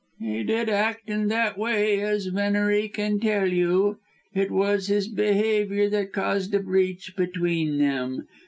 "He did act in that way, as Venery can tell you. It was his behaviour that caused a breach between them.